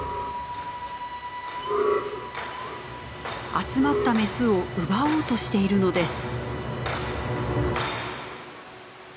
集まったメスを奪おうとしているのです。